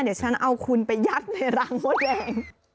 เดี๋ยวฉันเอาคุณไปยัดในรังมดแดง